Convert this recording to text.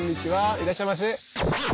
いらっしゃいませ。